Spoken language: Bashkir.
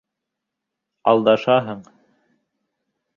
Алдашаһың!